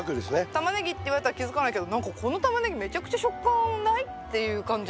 タマネギって言われたら気付かないけど「何かこのタマネギめちゃくちゃ食感ない？」っていう感じ。